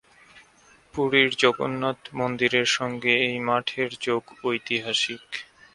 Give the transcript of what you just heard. পুরীর জগন্নাথ মন্দিরের সঙ্গে এই মঠের যোগ ঐতিহাসিক।